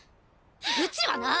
うちはなぁ。